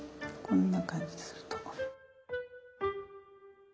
こんな感じですると。